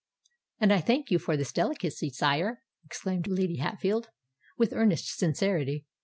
"And I thank you for this delicacy, sire," exclaimed Lady Hatfield, with earnest sincerity.